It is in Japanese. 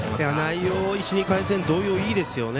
内容は１、２回戦同様いいですよね。